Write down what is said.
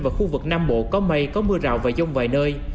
và khu vực nam bộ có mây có mưa rào và dông vài nơi